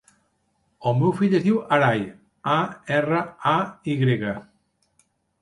El meu fill es diu Aray: a, erra, a, i grega.